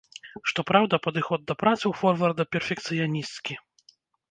Што праўда, падыход да працы ў форварда перфекцыянісцкі.